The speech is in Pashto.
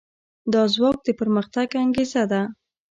دا ځواک د پرمختګ انګېزه ده.